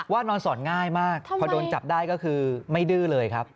นอนสอนง่ายมากพอโดนจับได้ก็คือไม่ดื้อเลยครับ